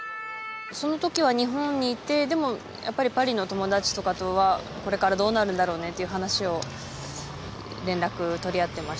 その時は日本にいてでもやっぱりパリの友達とかとはこれからどうなるんだろうねっていう話を連絡取り合ってました